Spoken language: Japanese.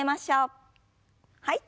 はい。